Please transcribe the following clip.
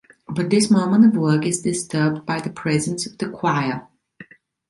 But this moment of work is disturbed by the presence of the choir.